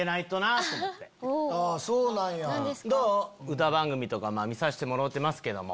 歌番組とか見させてもろうてますけども。